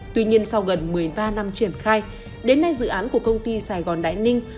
tuy nhiên sau gần một mươi ba năm triển khai đến nay dự án của công ty sài gòn đại ninh